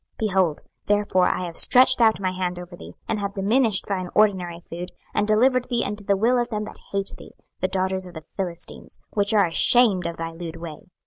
26:016:027 Behold, therefore I have stretched out my hand over thee, and have diminished thine ordinary food, and delivered thee unto the will of them that hate thee, the daughters of the Philistines, which are ashamed of thy lewd way.